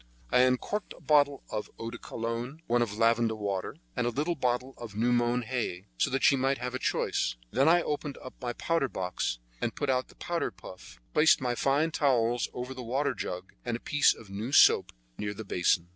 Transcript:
I uncorked a bottle of eau de cologne, one of lavender water, and a little bottle of new mown hay, so that she might have a choice. Then I opened my powder box, and put out the powder puff, placed my fine towels over the water jug, and a piece of new soap near the basin.